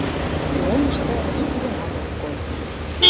Уремыште ик еҥат ок кой.